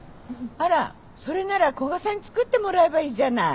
あらそれなら古賀さんに作ってもらえばいいじゃない。